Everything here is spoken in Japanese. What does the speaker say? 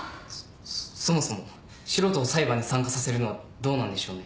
そそもそも素人を裁判に参加させるのはどうなんでしょうね。